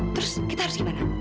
terus kita harus gimana